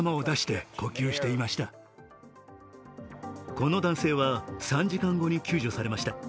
この男性は３時間後に救助されました。